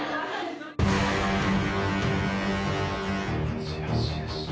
よしよしよし。